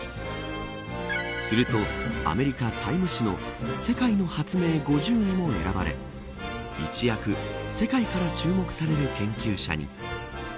するとアメリカＴＩＭＥ誌の世界の発明５０にも選ばれ一躍世界から注目される研究者に。